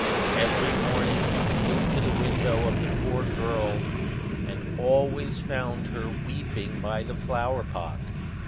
Every morning he flew to the window of the poor girl, and always found her weeping by the flower pot.